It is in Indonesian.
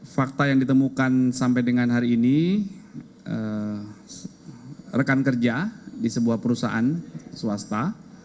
fakta yang ditemukan sampai dengan hari ini rekan kerja di sebuah perusahaan swasta